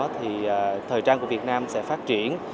thì thời trang của việt nam sẽ phát triển